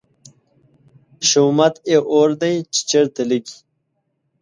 شومت یې اور دی، چې چېرته لګي